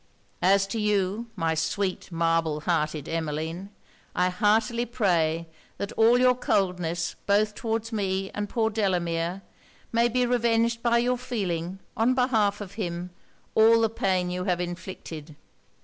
As to you, my sweet marble hearted Emmeline, I heartily pray that all your coldness both towards me and poor Delamere may be revenged by your feeling, on behalf of him, all the pain you have inflicted.'